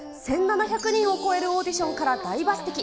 １７００人を超えるオーディションから大抜てき。